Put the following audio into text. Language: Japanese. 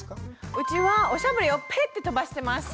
うちはおしゃぶりをペッて飛ばしてます。